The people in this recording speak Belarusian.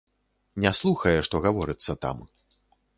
Не слухае, што гаворыцца там.